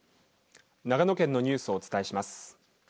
長野県のニュースをお伝えします。